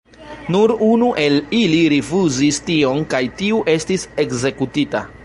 Nur unu el ili rifuzis tion kaj tiu estis ekzekutita.